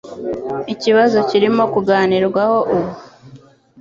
Ikibazo kirimo kuganirwaho ubu.